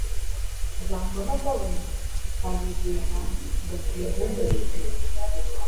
zambona mbabaye zikanyegera ngo zimpumurize.”